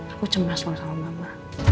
aku cemas bang sama mama